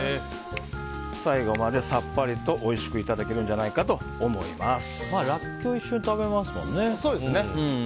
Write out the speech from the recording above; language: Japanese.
最後までさっぱりとおいしくいただけるんじゃないかラッキョウも一緒に食べますもんね。